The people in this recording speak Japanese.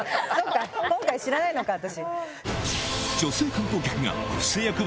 今回知らないか私。